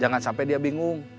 jangan sampai dia bingung